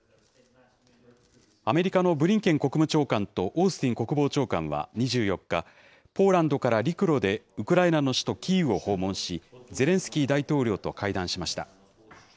アメリカのブリンケン国務長官とオースティン国防長官は２４日、ポーランドから陸路でウクライナの首都キーウを訪問し、ゼレンスキー大統領と会談しました。